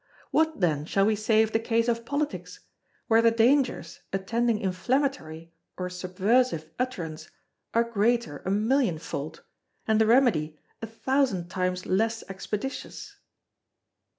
What, then, shall we say of the case of Politics, where the dangers attending inflammatory or subversive utterance are greater a million fold, and the remedy a thousand times less expeditious?